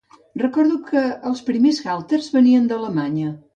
Recordo que els primers halters venien d'Alemanya.